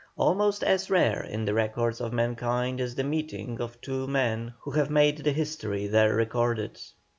Almost as rare in the records of mankind is the meeting of two men who have made the history there recorded.